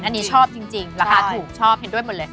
อันนี้ชอบจริงราคาถูกชอบเห็นด้วยหมดเลย